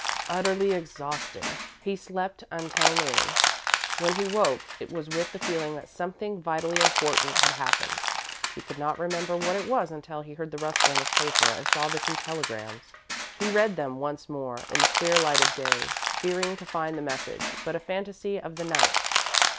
Utterly exhausted, he slept until noon. When he woke, it was with the feeling that something vitally important had happened. He could not remember what it was until he heard the rustling of paper and saw the two telegrams. He read them once more, in the clear light of day, fearing to find the message but a fantasy of the night.